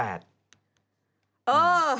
เออ